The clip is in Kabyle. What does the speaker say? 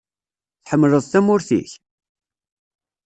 Tḥemmleḍ tamurt-ik?